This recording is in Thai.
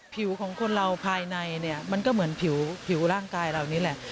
ผิวของคนเราภายในเนี่ยมันก็เหมือนผิวร่างกายเรานี่แหละ